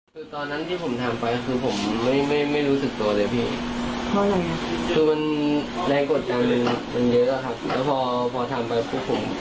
คือที่เขาด่าผมคือตอนที่เค้าด่าเนี่ยผมยังพอโอเคพี่